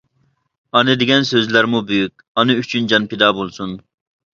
ئانا دېگەن سۆزلەرمۇ بۈيۈك، ئانا ئۈچۈن جان پىدا بولسۇن.